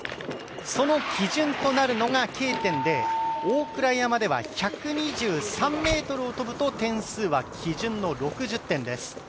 その基準となるのがＫ点で、大倉山では１２３ｍを飛ぶと点数は基準の６０点です。